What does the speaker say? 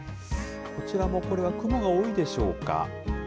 こちらもこれは雲が多いでしょうか。